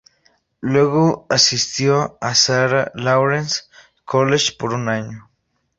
Luego asistió a Sarah Lawrence College por un año.